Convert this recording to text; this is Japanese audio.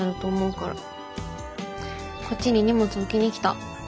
こっちに荷物置きに来た。